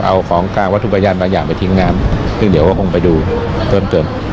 เอาของกลางวัตถุพยานบางอย่างไปทิ้งน้ำซึ่งเดี๋ยวก็คงไปดูเพิ่มเติม